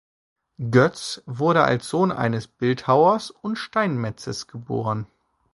Goetz wurde als Sohn eines Bildhauers und Steinmetzes geboren.